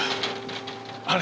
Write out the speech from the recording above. あれ？